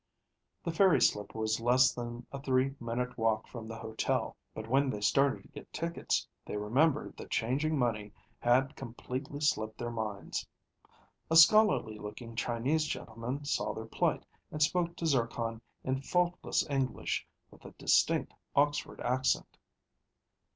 The ferry slip was less than a three minute walk from the hotel, but when they started to get tickets, they remembered that changing money had completely slipped their minds. A scholarly looking Chinese gentleman saw their plight and spoke to Zircon in faultless English with a distinct Oxford accent.